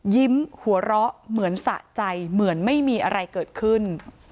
หัวเราะเหมือนสะใจเหมือนไม่มีอะไรเกิดขึ้น